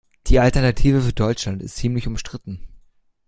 Die Alternative für Deutschland ist ziemlich umstritten.